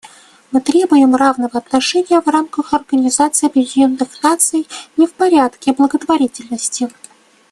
Мы требуем равного отношения в рамках Организации Объединенных Наций не в порядке благотворительности.